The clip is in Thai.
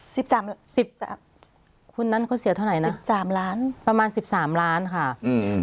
สิบสามสิบสามคนนั้นเขาเสียเท่าไหร่นะสิบสามล้านประมาณสิบสามล้านค่ะอืม